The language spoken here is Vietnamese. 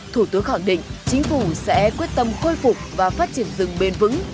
thủ tướng khẳng định chính phủ sẽ quyết tâm khôi phục và phát triển rừng bền vững